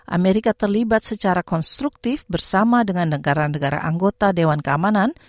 amerika terlibat secara konstruktif bersama dengan negara negara anggota dewan keamanan